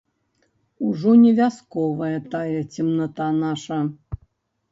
Ужо не вясковая тая цемната наша!